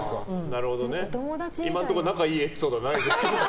今のところ仲良いエピソードないですけど。